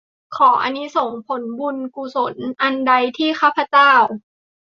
ขออานิสงส์ผลบุญกุศลอันใดที่ข้าพเจ้า